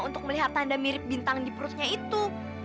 untuk melihat tanda mirip bintang di perutnya itu